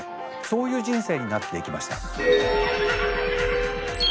そういう人生になっていきました。